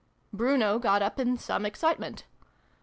' Bruno got up in some excitement.